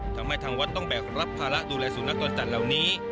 ทำให้ทางวัดต้องรับภาระดูแลสุนัขตอนจัดเหล่านี้